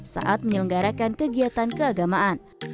saat menyelenggarakan kegiatan keagamaan